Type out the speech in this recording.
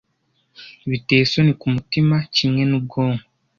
biteye isoni kumutima kimwe n'ubwonko